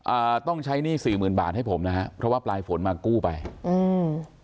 อ่าต้องใช้หนี้สี่หมื่นบาทให้ผมนะฮะเพราะว่าปลายฝนมากู้ไปอืม